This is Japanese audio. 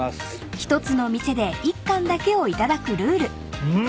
［１つの店で１貫だけを頂くルール］ん。